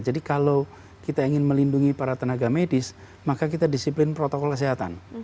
jadi kalau kita ingin melindungi para tenaga medis maka kita disiplin protokol kesehatan